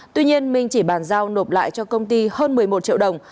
tuy nhiên minh chỉ bàn giao nộp lại cho công ty hơn một mươi một triệu đồng